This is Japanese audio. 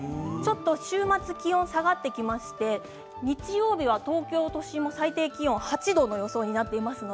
週末、気温が下がってきまして日曜日は東京都心も最低気温が８度の予想になっています。